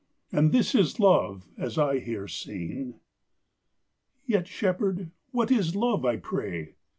And this is love, as I hear saine. "Yet, shepherd, what is love, I pray?"